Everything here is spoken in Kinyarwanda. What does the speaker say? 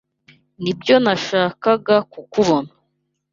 Nibyo nashakaga kukubona.